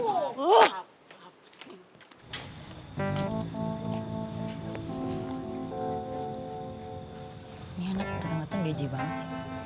ini anak dateng dateng geje banget ya